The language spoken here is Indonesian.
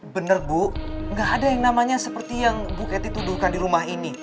benar bu nggak ada yang namanya seperti yang bu ketty tuduhkan di rumah ini